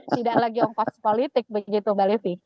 tidak lagi ongkos politik begitu mbak levi